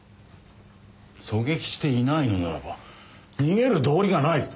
狙撃していないのならば逃げる道理がない。